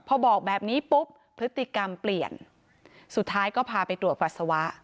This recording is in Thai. พอบอกแบบนี้ปุ๊บพฤติกรรมเปลี่ยนสุดท้ายก็พาไปตรวจปัสสาวะ